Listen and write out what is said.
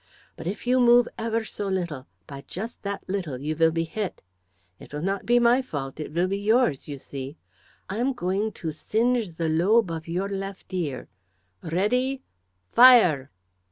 But, if you move ever so little, by just that little you will be hit. It will not be my fault, it will be yours, you see. I am going to singe the lobe of your left ear. Ready! Fire!"